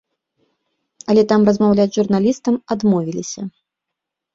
Але там размаўляць з журналістам адмовіліся.